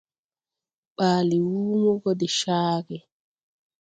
Ɓaale Wúmo gɔ de caage.